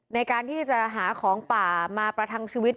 ในการที่จะหาของป่ามาประทังชีวิต